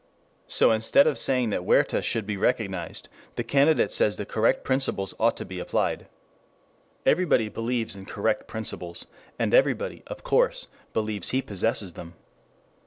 So instead of saying that Huerta should have been recognized, the candidate says that correct principles ought to be applied. Everybody believes in correct principles, and everybody, of course, believes he possesses them.